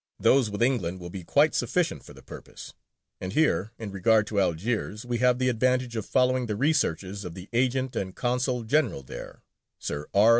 Those with England will be quite sufficient for the purpose, and here, in regard to Algiers, we have the advantage of following the researches of the Agent and Consul General there, Sir R.